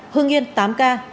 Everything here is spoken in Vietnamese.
hương yên tám ca